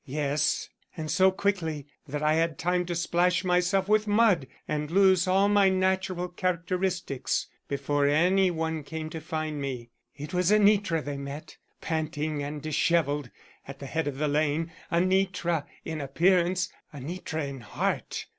"Yes, and so quickly that I had time to splash myself with mud and lose all my natural characteristics before any one came to find me. It was Anitra they met, panting and disheveled, at the head of the lane; Anitra in appearance, Anitra in heart.